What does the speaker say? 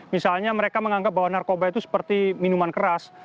misalnya mereka menganggap bahwa narkoba itu seperti minuman keras